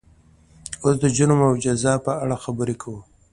اوس د جرم او جزا په اړه خبرې کوو.